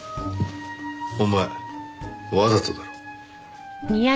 お前わざとだろ？